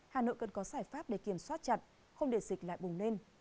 hà nội cần có giải pháp để kiểm soát chặt không để dịch lại bùng lên